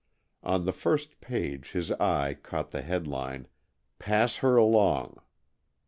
On the first page his eye caught the headline "Pass Her Along."